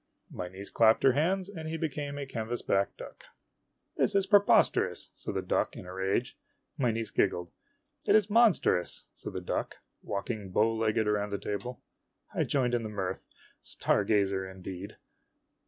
My niece clapped her hands, and he became a canvasback duck. 108 IMAGINOTIONS " This is preposterous !" said the duck in a rage. My niece giggled. " It is monstrous !" said the duck, walking bow legged around the table. I joined in the mirth. " Star gazer," indeed